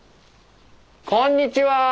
こんにちは！